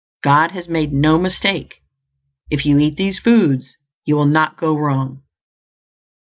God has made no mistake; if you eat these foods you will not go wrong.